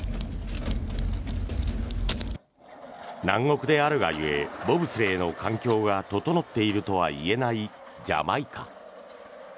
南国であるが故ボブスレーの環境が整っているとはいえないジャマイカ。